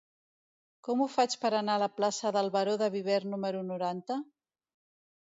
Com ho faig per anar a la plaça del Baró de Viver número noranta?